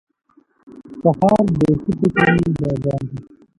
سهار د ښه فکرونو بازار دی.